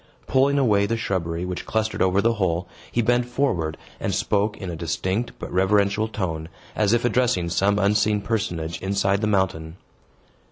Pulling away the shrubbery which clustered over the hole, he bent forward, and spoke in a distinct but reverential tone, as if addressing some unseen personage inside of the mountain.